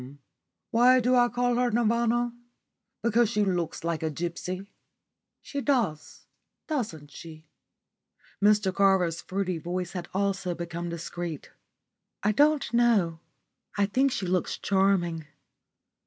"Why do I call her Nirvana? Because she looks like a gipsy. She does, doesn't she?" Mr Carver's fruity voice had also become discreet. "I don't know. I think she looks charming."